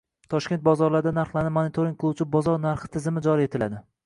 Toshkent bozorlarida narxlarni monitoring qiluvchi Bozor narxi tizimi joriy etiladi